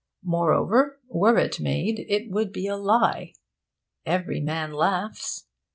Moreover, were it made, it would be a lie. Every man laughs.